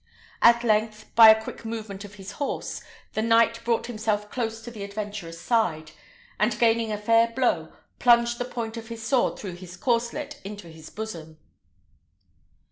At length, by a quick movement of his horse, the knight brought himself close to the adventurer's side, and gaining a fair blow, plunged the point of his sword through his corslet into his bosom.